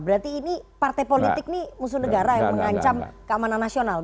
berarti ini partai politik ini musuh negara yang mengancam keamanan nasional